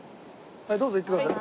どうぞ行ってください。